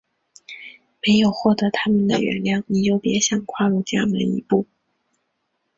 没有获得它们的原谅你就别想跨入家门一步！